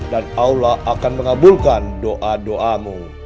dan allah akan mengabulkan doa doamu